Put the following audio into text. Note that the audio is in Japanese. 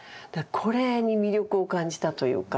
これに魅力を感じたというか。